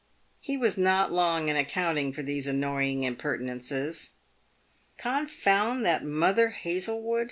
He was not long in accounting for these annoying impertinences. " Confound that Mother Hazle wood!"